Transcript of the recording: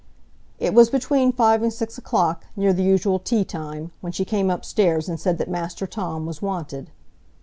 It was between five and six o'clock, near the usual teatime, when she came upstairs and said that Master Tom was wanted.